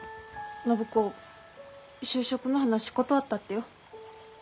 暢子就職の話断ったってよ。